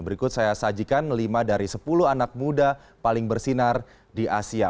berikut saya sajikan lima dari sepuluh anak muda paling bersinar di asia